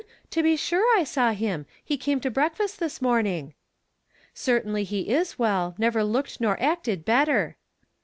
To be sure I saw him. He came to breakfast this morning." "Certainly lu; is well; never looked nor acted better."